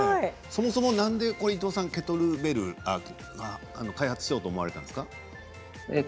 そもそもなんでケトルベルを開発しようと思われたんですか？